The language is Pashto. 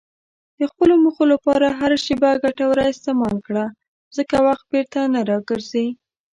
د خپلو موخو لپاره هره شېبه ګټوره استعمال کړه، ځکه وخت بیرته نه راګرځي.